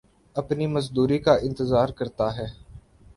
اپنی مزدوری کا انتظار کرتا ہے